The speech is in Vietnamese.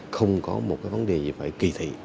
không có một cái vấn đề gì phải kỳ thị